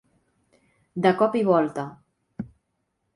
De cop i volta.